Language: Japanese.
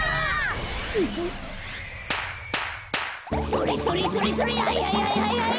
それそれそれそれはいはいはいはいはい！